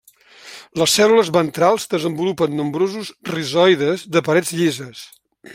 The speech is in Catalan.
Les cèl·lules ventrals desenvolupen nombrosos rizoides de parets llises.